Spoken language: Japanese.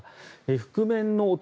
覆面の男